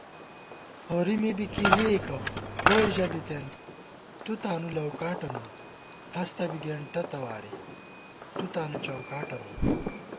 ہورِمے بی کی لېئیکہ گوئی ژہ بِتېن تُو تانُو لَؤکاٹہ نُن * ہستہ بی گېنٹہ تواری تُو تانُو چوکاٹہ نُن